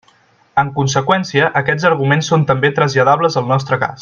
En conseqüència, aquests arguments són també traslladables al nostre cas.